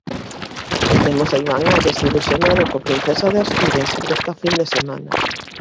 E temos a Iván Ares ilusionado co Princesa de Asturias desta fin de semana.